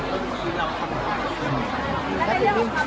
การรับความรักมันเป็นอย่างไร